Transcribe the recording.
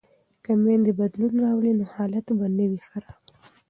که میندې بدلون راولي نو حالت به نه وي خراب.